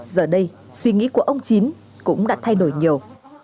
giờ đây suy nghĩ của ông chín cũng đã thay đổi nhiều